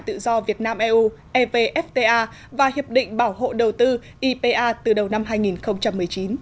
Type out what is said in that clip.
tự do việt nam eu evfta và hiệp định bảo hộ đầu tư ipa từ đầu năm hai nghìn một mươi chín